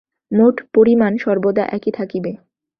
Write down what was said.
মোট পরিমাণ সর্বদা একই থাকিবে।